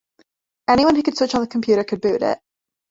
Anyone who could switch on the computer could boot it.